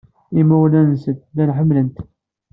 Imawlan-nsent llan ḥemmlen-t.